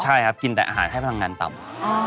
ใช่ครับกินแต่อาหารให้พลังงานต่ำ